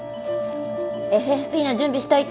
ＦＦＰの準備しといて！